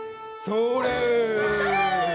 それ！